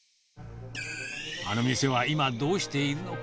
あの店は今、どうしているのか。